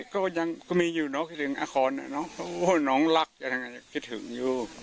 ก็ยังก็มีอยู่น้องคิดถึงอาคอนน้องรักยังไงคิดถึงอยู่